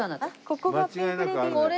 ここがピンク・レディーとか。